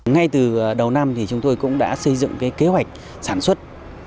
ngay từ đầu năm thì chúng tôi cũng đã xây dựng cái kế hoạch sản xuất